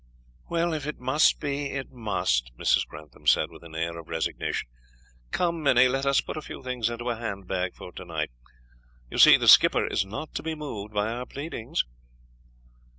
"Well, if it must be it must," Mrs. Grantham said, with an air of resignation. "Come, Minnie, let us put a few things into a handbag for tonight. You see the skipper is not to be moved by our pleadings."